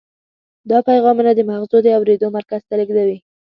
دا پیغامونه د مغزو د اورېدلو مرکز ته لیږدوي.